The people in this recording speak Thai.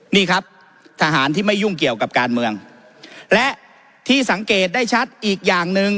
นี่ครับทหารที่ไม่ยุ่งเกี่ยวกับการเมืองและที่สังเกตได้ชัดอีกอย่างหนึ่ง